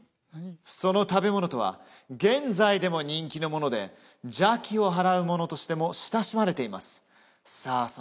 その食べ物とは現在でも人気のもので邪気を払うものとしても親しまれていますさあ